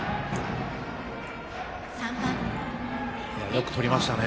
よくとりましたね。